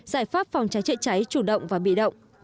giải pháp phòng cháy chữa cháy chủ động và bị động